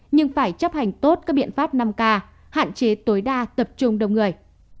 nhưng phải chấp hành tốt các biện pháp năm k hạn chế tối đa tập trung đông người